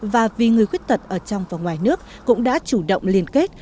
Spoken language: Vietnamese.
và vì người khuyết tật ở trong và ngoài nước cũng đã chủ động liên kết